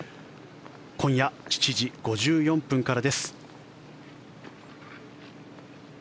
今夜７時５４分からです。